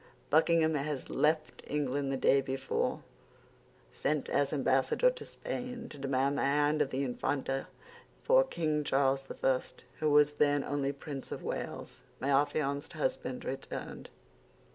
"Buckingham had left England the day before, sent as ambassador to Spain, to demand the hand of the Infanta for King Charles I., who was then only Prince of Wales. My affianced husband returned.